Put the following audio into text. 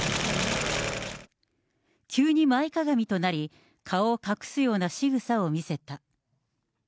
急に前かがみとなり、顔を隠すようなしぐさを見せた。